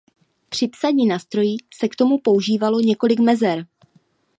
Při psaní na stroji se k tomu používalo několik mezer.